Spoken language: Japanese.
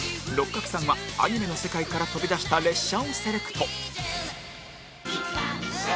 六角さんはアニメの世界から飛び出した列車をセレクト